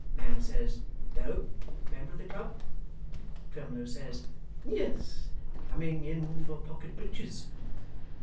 Man says, 'No; member of the club?' Twemlow says, 'Yes. Coming in for Pocket Breaches.